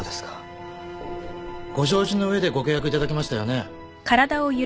ご承知の上でご契約いただきましたよね。